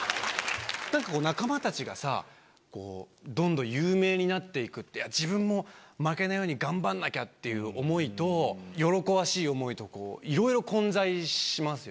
なんかこう仲間たちがさどんどん有名になっていくって自分も負けないように頑張んなきゃっていう思いと喜ばしい思いとこういろいろ混在しますよね。